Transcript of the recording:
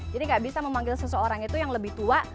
jadi enggak bisa memanggil seseorang itu yang lebih tua